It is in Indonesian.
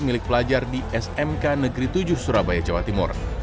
milik pelajar di smk negeri tujuh surabaya jawa timur